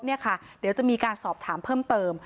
เดี๋ยวจะมีการสอบถามเพิ่มเติม